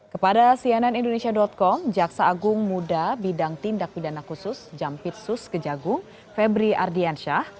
kepada cnn indonesia com jaksa agung muda bidang tindak pidana khusus jampitsus kejagung febri ardiansyah